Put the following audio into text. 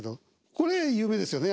これ有名ですよね